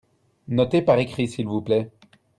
Notez par écrit, s'il vous plait.